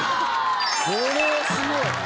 これはすごい。